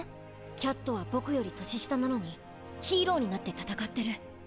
キャットはボクより年下なのにヒーローになって戦ってる。